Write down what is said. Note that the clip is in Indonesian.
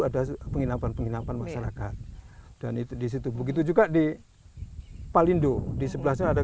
ada penginapan penginapan masyarakat dan itu disitu begitu juga di palindo di sebelah sana ada